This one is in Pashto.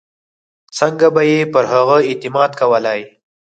څنګه به یې پر هغه اعتماد کولای.